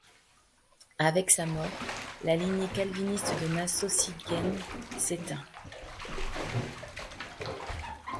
Avec sa mort, la lignée calviniste de Nassau-Siegen s'éteint.